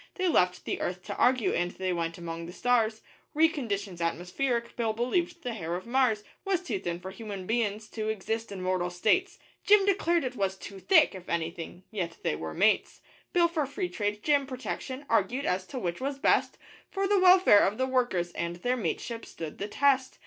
They left the earth to argue and they went among the stars, Re conditions atmospheric, Bill believed 'the hair of Mars Was too thin for human bein's to exist in mortal states.' Jim declared it was too thick, if anything yet they were mates Bill for Freetrade Jim, Protection argued as to which was best For the welfare of the workers and their mateship stood the test!